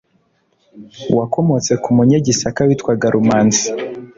wakomotse ku munyagisaka witwaga rumanzi